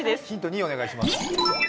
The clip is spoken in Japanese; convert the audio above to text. ２お願いします。